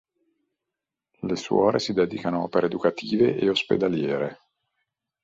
La suore si dedicano a opere educative e ospedaliere.